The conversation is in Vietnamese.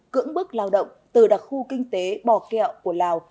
cưỡng bức lao động từ đặc khu kinh tế bò kẹo của lào